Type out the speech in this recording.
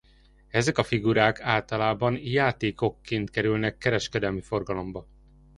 Ezek a figurák általában játékokként kerülnek kereskedelmi forgalomba.